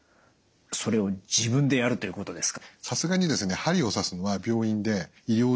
それを自分でやるということですか？